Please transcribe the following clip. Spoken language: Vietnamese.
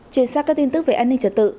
chuyển sang các tin tức về an ninh trật tự